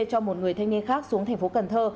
cho một người thanh niên khác xuống thành phố cần thơ